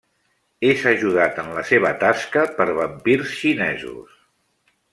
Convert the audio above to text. És ajudat en la seva tasca per vampirs xinesos.